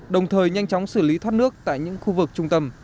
đồng thời nhanh chóng xử lý thoát nước tại những khu vực trung tâm